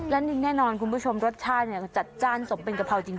และแน่นอนคุณผู้ชมรสชาติจัดจ้านสมเป็นกะเพราจริง